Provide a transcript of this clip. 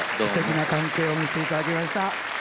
すてきな関係を見せていただきました。